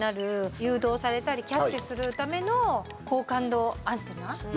誘導されたりキャッチするための高感度アンテナ？